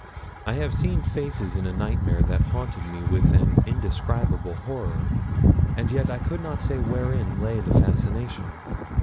I have seen faces in a nightmare that haunted me with an indescribable horror, and yet I could not say wherein lay the fascination.